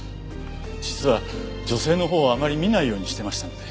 実は女性のほうをあまり見ないようにしてましたので。